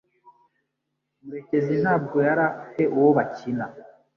Murekezi ntabwo yari afite uwo bakina.